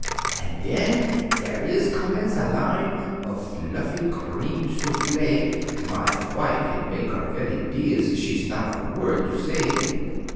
An' den dere is commence a line Of fluffy cream soufflé, My vife it mak' her very diz', She's not a vord to say.